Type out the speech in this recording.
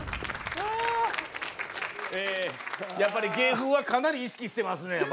ええやっぱり芸風はかなり意識してますね。